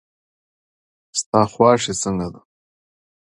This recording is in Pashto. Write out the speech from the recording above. ستا خواشي څنګه ده.